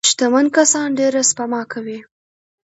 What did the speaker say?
شتمن کسان ډېره سپما کوي.